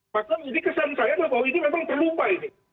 maka ini kesan saya bahwa ini memang terlupa ini